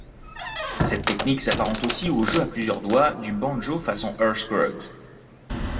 Cette technique s'apparente aussi au jeu à plusieurs doigts du banjo façon Earl Scruggs.